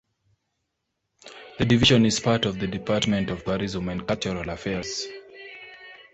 The division is part of the Department of Tourism and Cultural Affairs.